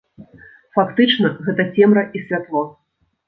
Фактычна, гэта цемра і святло.